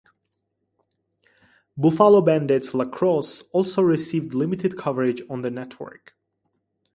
Buffalo Bandits lacrosse also received limited coverage on the network.